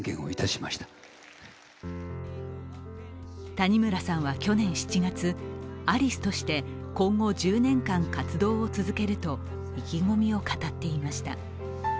谷村さんは去年７月、アリスとして今後１０年間活動を続けると意気込みを語っていました。